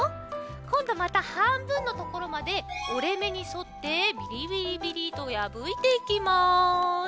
こんどまたはんぶんのところまでおれめにそってビリビリビリとやぶいていきます。